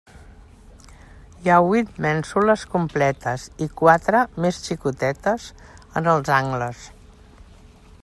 Hi ha huit mènsules completes i quatre, més xicotetes, en els angles.